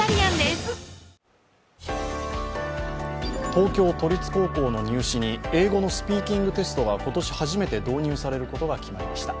東京都立高校の入試に英語のスピーキングテストが今年初めて導入されることが決まりました。